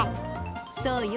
そうよ。